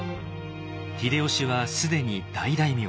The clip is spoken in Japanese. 秀吉は既に大大名。